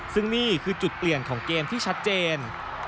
ซึ่งนี่คือจุดเปลี่ยนของเกมที่ชัดเจน